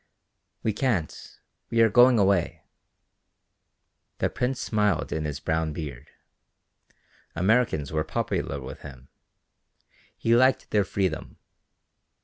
"We can't; we are going away." The Prince smiled in his brown beard. Americans were popular with him. He liked their freedom.